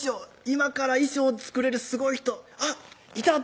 今から衣装作れるすごい人あっいた！